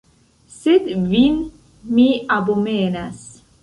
Sed vin mi abomenas.